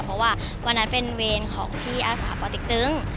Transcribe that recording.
เพราะว่าวันนั้นเป็นเวรของพี่อาสาปอติ๊กตึง